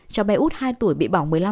cháu bé út hai tuổi bị bỏng một mươi năm